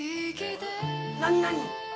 何何？